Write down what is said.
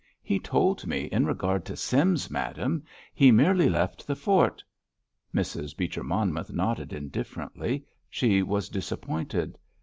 "He told me, in regard to Sims, madame, he merely left the fort——" Mrs. Beecher Monmouth nodded indifferently; she was disappointed.